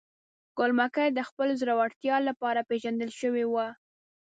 ګل مکۍ د خپل زړورتیا لپاره پیژندل شوې وه.